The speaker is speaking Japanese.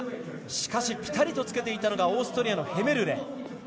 しかしピタリとつけていたのがオーストリアのヘメルレ。